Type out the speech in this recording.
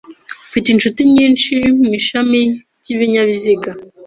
Mfite inshuti nyinshi mu ishami ry’ibinyabiziga.